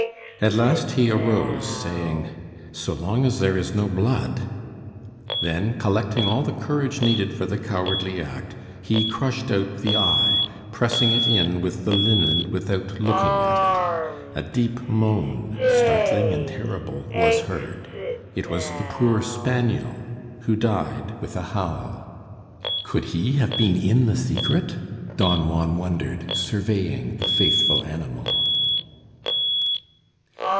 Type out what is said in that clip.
At last he arose, saying: "So long as there is no blood " Then, collecting all the courage needed for the cowardly act, he crushed out the eye, pressing it in with the linen without looking at it. A deep moan, startling and terrible, was heard. It was the poor spaniel, who died with a howl. "Could he have been in the secret?" Don Juan wondered, surveying the faithful animal.